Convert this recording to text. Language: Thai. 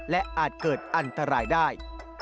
และอาจเกิดอันตรายได้